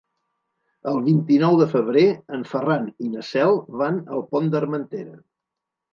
El vint-i-nou de febrer en Ferran i na Cel van al Pont d'Armentera.